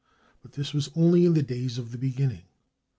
But this was only in the days of beginning.